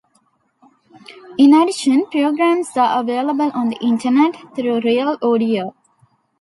In addition, programs are available on the Internet through RealAudio.